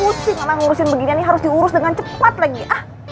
utsi mama ngurusin begini nih harus diurus dengan cepat lagi ah